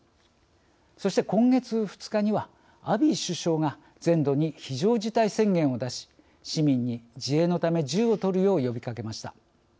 そして今月２日にはアビー首相が全土に非常事態宣言を出し市民に自衛のため銃を取るよう呼びかけました。